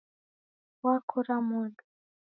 Wakora modo